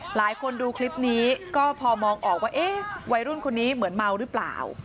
หลายคนดูคลิปนี้ก็พอมองออกว่าเอ๊ะวัยรุ่นคนนี้เหมือนเมาหรือเปล่า